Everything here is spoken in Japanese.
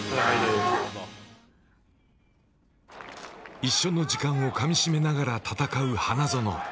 一緒の時間をかみしめながら戦う花園。